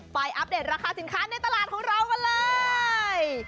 อัปเดตราคาสินค้าในตลาดของเรากันเลย